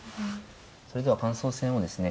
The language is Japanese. それでは感想戦をですね